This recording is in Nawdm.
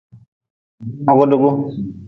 Hogdgu.